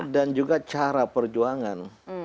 dan juga cara perjuangan